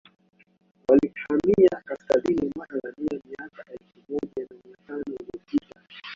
walihamia Kaskazini mwa Tanzania miaka elfu moja na mia tano iliyopita